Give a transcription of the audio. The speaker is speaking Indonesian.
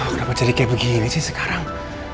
kenapa jadi kayak begini sih sekarang